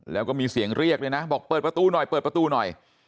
แล้วก็มีเสียงเรียกด้วยนะบอกเปิดประตูหน่อยเปิดประตูหน่อย